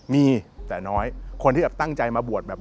มีแต่น้อยคนที่แบบตั้งใจมาบวชแบบ